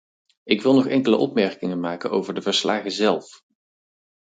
Ik wil nog enkele opmerkingen maken over de verslagen zelf.